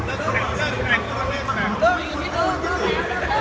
วันนี้ก็เป็นปีนี้